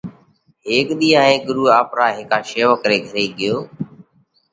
هيڪ ۮِي هائي ڳرُو آپرا هيڪا شيوَڪ ري گھري ڳيو۔